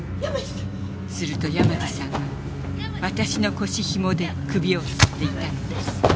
すると山路さんが私の腰ひもで首を吊っていたのです。